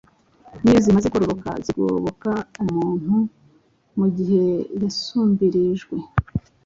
N’iyo zimaze kororoka zigoboka umuntu mu gihe yasumbirijwe